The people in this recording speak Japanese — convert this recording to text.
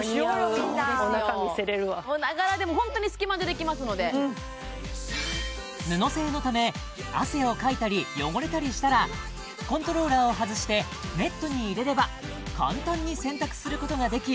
みんな間に合うお腹見せれるわもうながらでも本当に隙間でできますので布製のため汗をかいたり汚れたりしたらコントローラーを外してネットに入れれば簡単に洗濯することができ